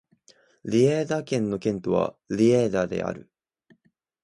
リェイダ県の県都はリェイダである